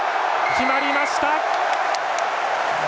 決まりました！